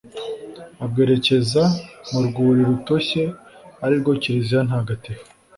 abwerekeza mu rwuri rutoshye arirwo kiliziya ntagatifu